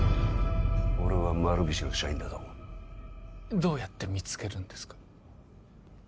俺は丸菱の社員だと思うどうやって見つけるんですか？